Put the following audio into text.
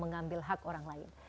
mengambil hak orang lain